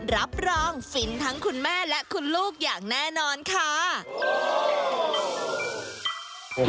รับรองฟินทั้งคุณแม่และคุณลูกอย่างแน่นอนค่ะ